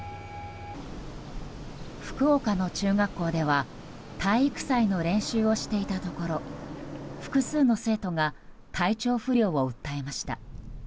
福岡の中学校では体育祭の練習をしていたところ複数の生徒が体調不良を訴えました。